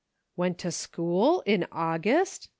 " Went to school in August